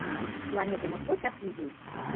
Планете моткочак изи.